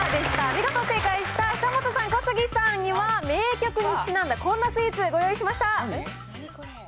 見事正解した久本さん、小杉さんには、名曲にちなんだこんなスイーツ、ご用意しました。